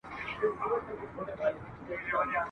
شیخه قول دي پر ځای کړ نن چي سره لاسونه ګرځې !.